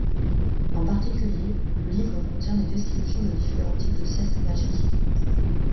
En particulier, le livre contient des descriptions de différents types de cercles magiques.